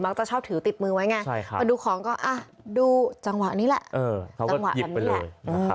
มักจะชอบถือติดมือไว้ไงมาดูของก็ดูจังหวะนี้แหละเขาก็หยิบไปเลย